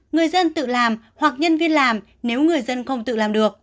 người dân tự làm hoặc nhân viên làm nếu người dân không tự làm được